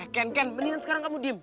eh kan kan mendingan sekarang kamu diem